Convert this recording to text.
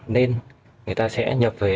nên người ta sẽ nhập về